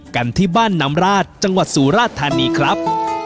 กันที่บ้านน้ำราชจังหวัดสุราชธานีครับ